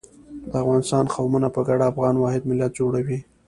د افغانستان قومونه په ګډه افغان واحد ملت جوړوي.